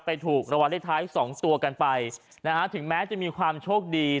ถูกรางวัลเลขท้ายสองตัวกันไปนะฮะถึงแม้จะมีความโชคดี